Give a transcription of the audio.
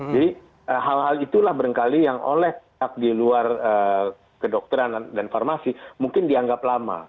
jadi hal hal itulah berengkali yang oleh tak di luar kedokteran dan farmasi mungkin dianggap lama